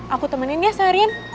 aku temenin ya seharian